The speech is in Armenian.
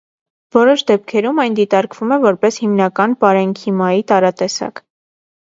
Որոշ դեպքերում այն դիտարկվում է որպես հիմնական պարենքիմայի տարատեսակ։